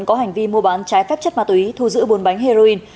có hành vi mua bán trái phép chất ma túy thu giữ bốn bánh heroin